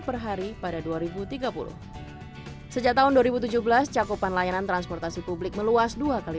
perhari pada dua ribu tiga puluh sejak tahun dua ribu tujuh belas cakupan layanan transportasi publik meluas dua kali